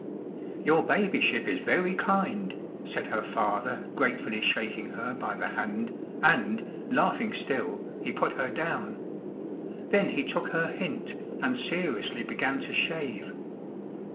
"Your Babyship is very kind," said her father, gratefully shaking her by the hand, and, laughing still, he put her down. Then he took her hint, and seriously began to shave.